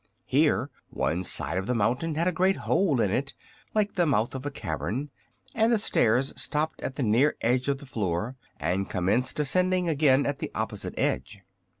Here one side of the mountain had a great hole in it, like the mouth of a cavern, and the stairs stopped at the near edge of the floor and commenced ascending again at the opposite edge.